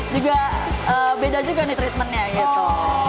juga beda juga nih treatmentnya gitu